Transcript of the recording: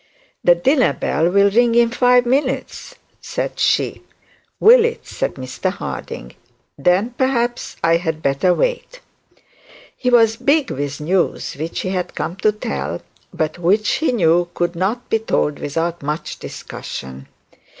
'The dinner bell will ring in five minutes,' said she. 'Will it?' said Mr Harding. 'Then, perhaps I had better wait.' he was big with news which he had come to tell, but which he knew could not be told without much discussion.